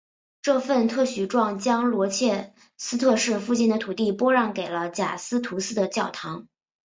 这份特许状将罗切斯特市附近的土地拨让给了贾斯图斯的教堂。